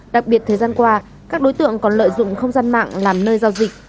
đặc biệt thời gian qua các đối tượng còn lợi dụng không gian mạng làm nơi giao dịch